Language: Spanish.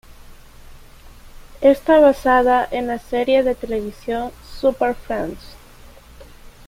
Está basada en la serie de televisión "Super Friends".